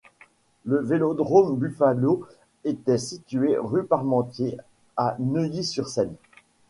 Le vélodrome Buffalo était situé rue Parmentier à Neuilly-sur-Seine.